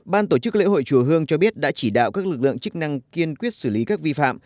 ban tổ chức lễ hội chùa hương cho biết đã chỉ đạo các lực lượng chức năng kiên quyết xử lý các vi phạm